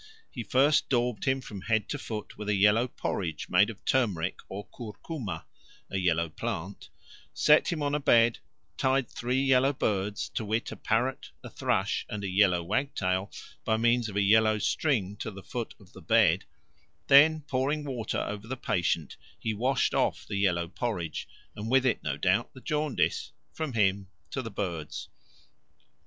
He first daubed him from head to foot with a yellow porridge made of tumeric or curcuma (a yellow plant), set him on a bed, tied three yellow birds, to wit, a parrot, a thrush, and a yellow wagtail, by means of a yellow string to the foot of the bed; then pouring water over the patient, he washed off the yellow porridge, and with it no doubt the jaundice, from him to the birds.